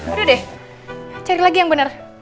udah deh cari lagi yang benar